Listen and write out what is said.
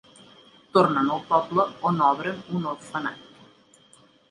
Tornen al poble on obren un orfenat.